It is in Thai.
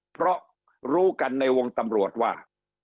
เพราะรู้กันในวงตำรวจว่า